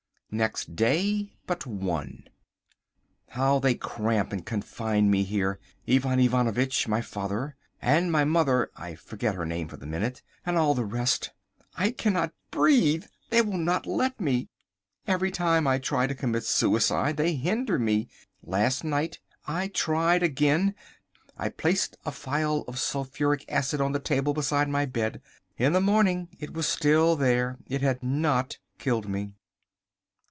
Next Day but one. How they cramp and confine me here—Ivan Ivanovitch my father, and my mother (I forget her name for the minute), and all the rest. I cannot breathe. They will not let me. Every time I try to commit suicide they hinder me. Last night I tried again. I placed a phial of sulphuric acid on the table beside my bed. In the morning it was still there. It had not killed me.